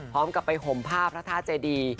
พร้อมกับไปห่มผ้าพระธาตุเจดี